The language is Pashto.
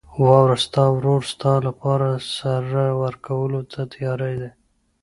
واوره، ستا ورور ستا لپاره سر ورکولو ته تیار دی.